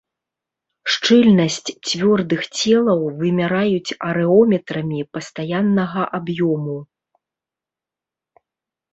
Шчыльнасць цвёрдых целаў вымяраюць арэометрамі пастаяннага аб'ёму.